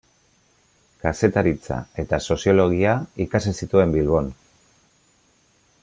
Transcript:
Kazetaritza eta soziologia ikasi zituen Bilbon.